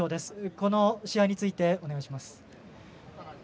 この試合について、お願いします。